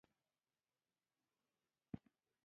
يوازې فارموله ژوندۍ راوړه.